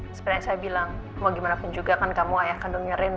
sebenarnya saya bilang mau gimana pun juga kan kamu ayah kandungnya rena